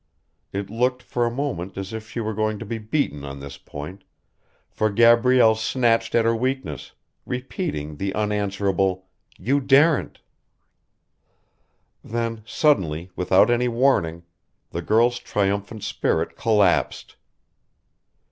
It looked, for a moment, as if she were going to be beaten on this point, for Gabrielle snatched at her weakness, repeating the unanswerable "You daren't!" Then, suddenly, without any warning, the girl's triumphant spirit collapsed.